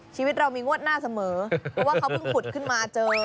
ชีวิตเรามีงวดหน้าเสมอเพราะว่าเขาเพิ่งขุดขึ้นมาเจอ